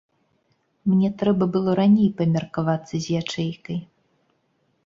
Мне трэба было раней памеркавацца з ячэйкай.